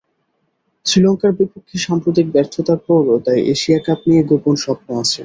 শ্রীলঙ্কার বিপক্ষে সাম্প্রতিক ব্যর্থতার পরও তাই এশিয়া কাপ নিয়ে গোপন স্বপ্ন আছে।